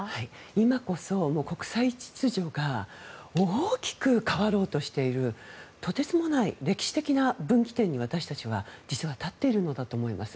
今こそ国際秩序が大きく変わろうとしているとてつもない歴史的な分岐点に私たちは実は立っているのだと思います。